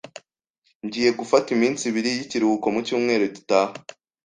Ngiye gufata iminsi ibiri y'ikiruhuko mu cyumweru gitaha.